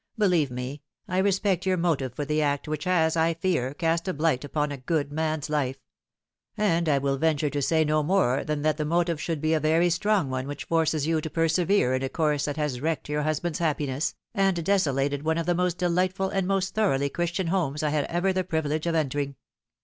Believe me, I respect your motive for the act which has, I fear, cast a blight upon a good man's life ; and I will venture to say no more than that the motive should be a very strong one which forces you to persevere in a course that has wrecked your husband's happiness, and desolated one of the most delightful and most thoroughly Christian homes I had ever the privilege of entering.